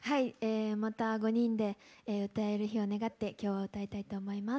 また５人で歌える日を願ってきょうは歌いたいと思います。